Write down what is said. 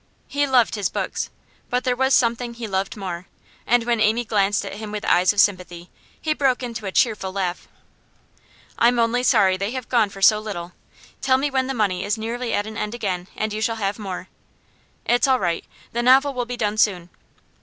He loved his books, but there was something he loved more, and when Amy glanced at him with eyes of sympathy he broke into a cheerful laugh. 'I'm only sorry they have gone for so little. Tell me when the money is nearly at an end again, and you shall have more. It's all right; the novel will be done soon.